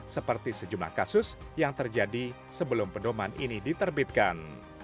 seperti sejumlah kasus yang terjadi sebelum pedoman ini diterbitkan